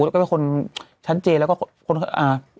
คือตั้งแต่คนชั้นเจและลูกนอบคือเขาคือตั้งแต่